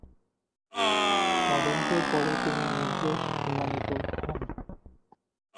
তদন্তের পরে তিনি নির্দোষ প্রমাণিত হন।